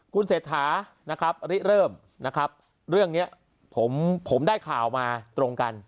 คุณเศรษฐานะครับริเริ่มนะครับเรื่องนี้ผมได้ข่าวมาตรงกัน